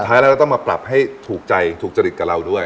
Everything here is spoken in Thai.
ท้ายแล้วเราต้องมาปรับให้ถูกใจถูกจริตกับเราด้วย